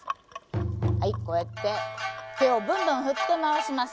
はいこうやって手をぶんぶん振って回します。